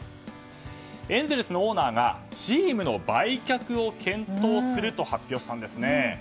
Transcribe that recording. エンゼルスのオーナーがチームの売却を検討すると発表したんですね。